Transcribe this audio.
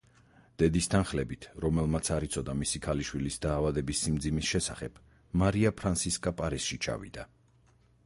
დედის თანხლებით, რომელმაც არ იცოდა მისი ქალიშვილის დაავადების სიმძიმის შესახებ, მარია ფრანსისკა პარიზში ჩავიდა.